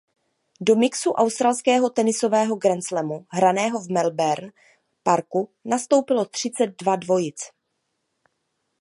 Do mixu australského tenisového grandslamu hraného v Melbourne Parku nastoupilo třicet dva dvojic.